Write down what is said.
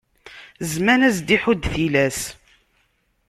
Zzman ad s-d-iḥudd tilas.